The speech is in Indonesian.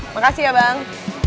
makasih ya bang